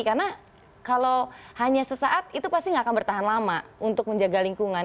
karena kalau hanya sesaat itu pasti nggak akan bertahan lama untuk menjaga lingkungan